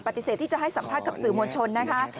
ปฏิเสธที่จะให้สัมภาษณ์กับสื่อมวลชนนะคะ